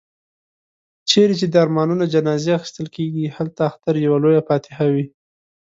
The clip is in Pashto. چيري چي د ارمانونو جنازې اخيستل کېږي، هلته اختر يوه لويه فاتحه وي.